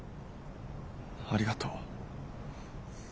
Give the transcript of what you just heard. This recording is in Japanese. ありがとう。